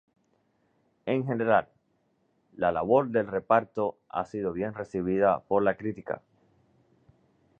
En general, la labor del reparto ha sido bien recibida por la crítica.